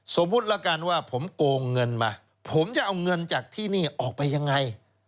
สมมุติแล้วกันว่าผมโกงเงินมาผมจะเอาเงินจากที่นี่ออกไปยังไง